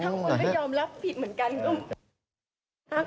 ถ้าคุณไม่ยอมรับผิดเหมือนกันก็